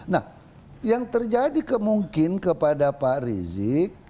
nah yang terjadi kemungkin kepada pak rizieq